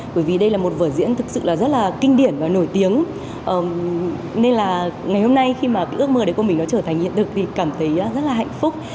bởi vì đây là một vở diễn thực sự là rất là kinh điển và nổi tiếng nên là ngày hôm nay khi mà cái ước mơ đấy của mình nó trở thành hiện thực thì cảm thấy rất là hạnh phúc